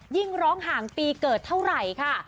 ยิ่งร้องห่างปีเกิดเท่าไหร่ค่ะ